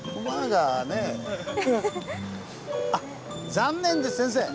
残念です先生。